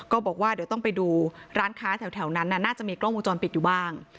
บอกว่าเดี๋ยวต้องไปดูร้านค้าแถวนั้นน่าจะมีกล้องวงจรปิดอยู่บ้าง